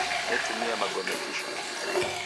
Netumia magome kisha